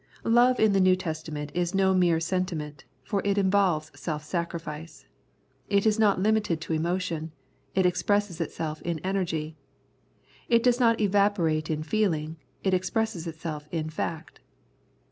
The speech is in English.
Love in the New Testament is no mere sentiment, for it involves self sacrifice. It is not limited to emotion ; it expresses itself in energy. It does not evaporate in feeling ; it expresses itself in fact.